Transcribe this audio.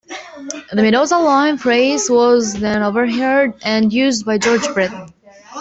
The 'Mendoza Line' phrase was then overheard and used by George Brett.